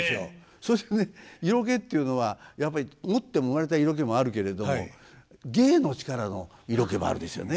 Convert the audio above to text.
そしてね色気っていうのはやっぱり持って生まれた色気もあるけれども芸の力の色気もあるんですよね。